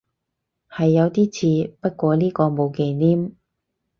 係有啲似，不過呢個冇忌廉